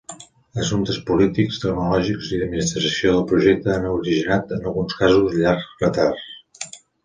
Assumptes polítics, tecnològics i d'administració del projecte han originat en alguns casos, llargs retards.